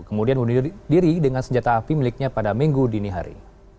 kemudian undur diri dengan senjata api miliknya pada minggu dini hari